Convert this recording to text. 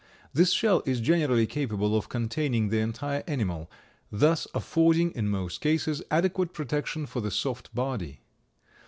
This shell is generally capable of containing the entire animal, thus affording, in most cases, adequate protection for the soft body.